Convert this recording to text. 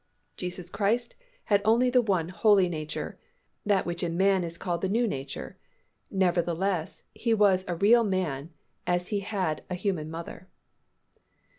Jesus Christ had only the one holy nature, that which in man is called the new nature. Nevertheless, He was a real man as He had a human mother.